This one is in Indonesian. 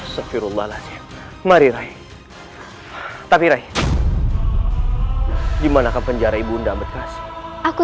supirullahaladzim mariraih tapi ray gimana kepenjara ibu undang undang aku